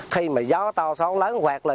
khi mà gió to sóng lớn hoạt là